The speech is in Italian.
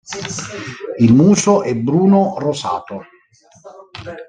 Il muso è bruno-rosato.